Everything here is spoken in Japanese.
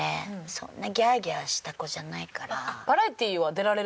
そんなギャーギャーした子じゃないから。